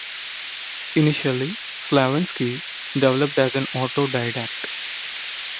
Initially Slavenski developed as an autodidact.